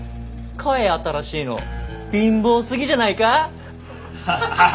買え新しいの。貧乏すぎじゃないか。